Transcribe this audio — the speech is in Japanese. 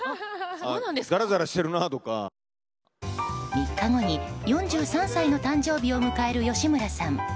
３日後に４３歳の誕生日を迎える吉村さん。